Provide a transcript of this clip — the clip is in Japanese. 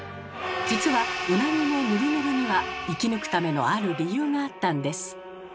実はウナギのヌルヌルには生き抜くためのある理由があったんです。